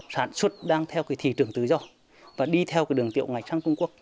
sản xuất đang theo cái thị trường tự do và đi theo cái đường tiểu ngạch sang trung quốc